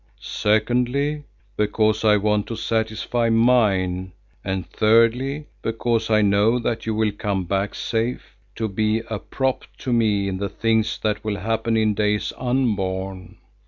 Secondly, because I want to satisfy mine, and thirdly, because I know that you will come back safe to be a prop to me in things that will happen in days unborn.